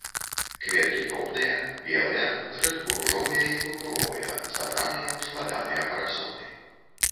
Кветкі дробныя, белыя, зрэдку ружовыя і пурпуровыя, сабраныя у складаныя парасоны.